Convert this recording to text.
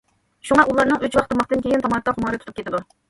شۇڭا ئۇلارنىڭ ئۈچ ۋاق تاماقتىن كېيىن تاماكا خۇمارى تۇتۇپ كېتىدۇ.